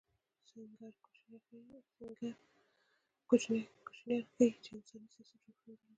سنګیر کوچنیان ښيي، چې انسان سیاسي جوړښتونه درلودل.